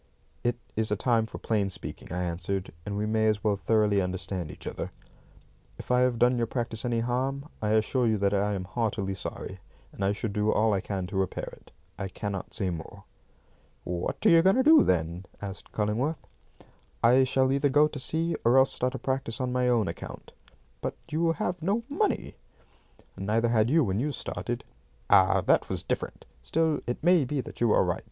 "It is a time for plain speaking," I answered, "and we may as well thoroughly understand each other. If I have done your practice any harm, I assure you that I am heartily sorry, and I shall do all I can to repair it. I cannot say more." "What are you going to do, then?" asked Cullingworth. "I shall either go to sea or else start a practice on my own account." "But you have no money." "Neither had you when you started." "Ah, that was different. Still, it may be that you are right.